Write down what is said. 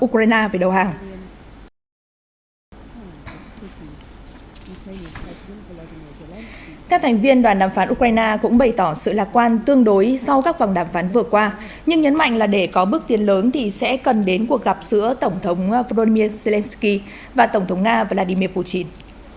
các thành viên đoàn đàm phán ukraine cũng bày tỏ sự lạc quan tương đối sau các vòng đàm phán vừa qua nhưng nhấn mạnh là để có bước tiến lớn thì sẽ cần đến cuộc gặp giữa tổng thống volodymyr zelensky và tổng thống nga vladimir putin